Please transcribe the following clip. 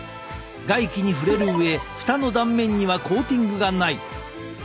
外気に触れる上蓋の断面にはコーティングがない。